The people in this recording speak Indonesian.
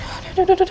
aduh aduh aduh